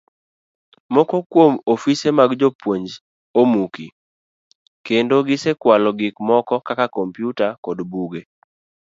Moko kuom ofise mag jopuonj osemuki, kendo gisekwalo gik moko kaka kompyuta kod buge